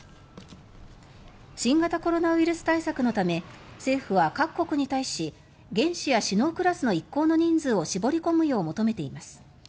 新型コロナウイルス対策のため政府は各国に対し元首や首脳クラスの一行の人数を絞り込むよう求めています。